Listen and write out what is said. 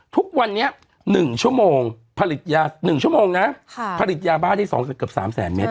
ทุกวันนี้หนึ่งชั่วโมงผลิตยาหนึ่งชั่วโมงนะค่ะผลิตยาบ้าได้สองเกือบสามแสนเมตร